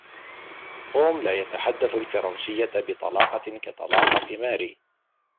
توم لا يتحدث الفرنسية بطلاقة كطلاقة ماري.